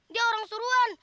dia orang suruhan